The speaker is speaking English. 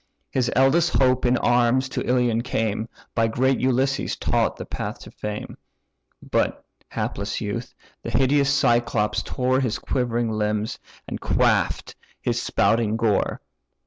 His eldest hope in arms to Ilion came, By great Ulysses taught the path to fame; But (hapless youth) the hideous Cyclops tore His quivering limbs, and quaff'd his spouting gore.